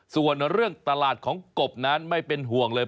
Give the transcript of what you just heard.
ส่วนเรื่องตลาดของกบนั้นไม่เป็นห่วงเลย